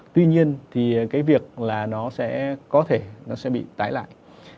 tuy nhiên thì cái việc là nó sẽ có thể nó sẽ bị tái lại